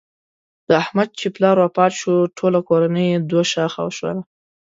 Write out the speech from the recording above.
د احمد چې پلار وفات شو ټوله کورنۍ یې دوه شاخه شوله.